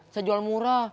saya jual murah